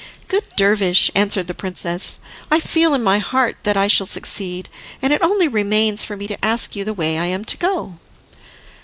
"Good dervish," answered the princess, "I feel in my heart that I shall succeed, and it only remains for me to ask you the way I am to go."